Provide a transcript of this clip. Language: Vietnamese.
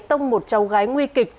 tông một cháu gái nguy kịch